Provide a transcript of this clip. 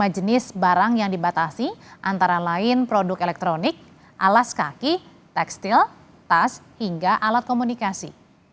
lima jenis barang yang dibatasi antara lain produk elektronik alas kaki tekstil tas hingga alat komunikasi